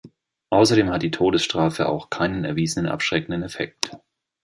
Außerdem hat die Todesstrafe auch keinen erwiesenen abschreckenden Effekt.